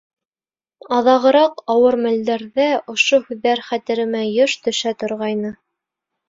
Аҙағыраҡ ауыр мәлдәрҙә ошо һүҙҙәр хәтеремә йыш төшә торғайны.